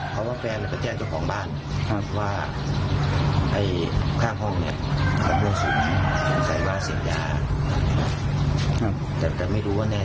แต่ว่าไอ้คนข้างห้องเนี่ยจะไปกินข้าวยู่นั่น